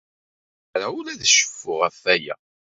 Ur cfiɣ ara ula d ceffu ɣef waya.